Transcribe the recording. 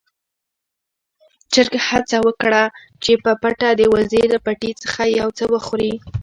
چرګ هڅه وکړه چې په پټه د وزې له پټي څخه يو څه وخوري.